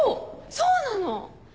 そうなの。